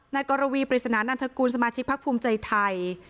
และภกปริศนานัพกลสมาชิกพลักภูมิใจไทย